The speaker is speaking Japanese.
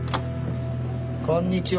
こんにちは。